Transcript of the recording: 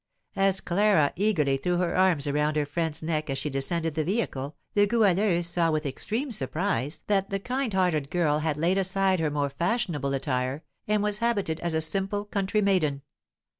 As Clara eagerly threw her arms around her friend's neck as she descended the vehicle, the Goualeuse saw with extreme surprise that the kind hearted girl had laid aside her more fashionable attire, and was habited as a simple country maiden.